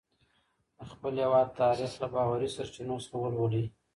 د خپل هېواد تاریخ له باوري سرچینو څخه ولولئ.